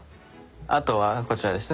あとはこちらですね